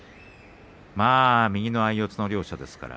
右の相四つの両者ですから。